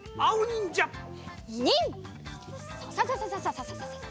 ササササササササ。